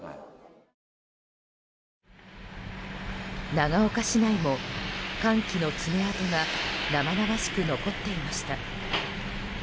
長岡市内も、寒気の爪痕が生々しく残っていました。